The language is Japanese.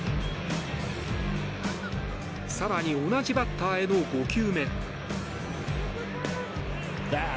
更に、同じバッターへの５球目。